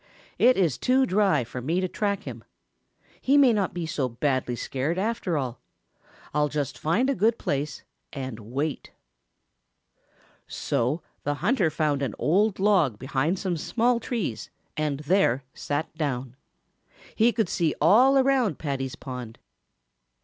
"It is too dry for me to track him. He may not be so badly scared, after all. I'll just find a good place and wait." So the hunter found an old log behind some small trees and there sat down. He could see all around Paddy's pond.